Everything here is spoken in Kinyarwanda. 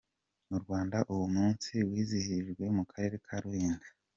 Mu Rwanda uwo munsi wizihirijwe mu karere ka Rulindo.